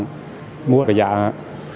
bạn một lần bậy làng